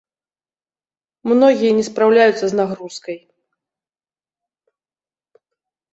Многія не спраўляюцца з нагрузкай.